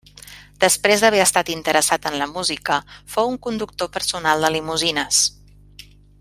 Després d'haver estat interessat en la música fou un conductor personal de limusines.